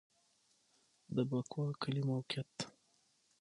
د بکوا کلی موقعیت